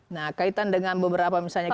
nah kaitan dengan beberapa misalnya